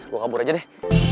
gue kabur aja deh